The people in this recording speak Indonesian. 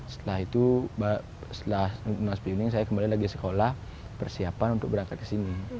setelah itu saya kembali lagi sekolah persiapan untuk berangkat kesini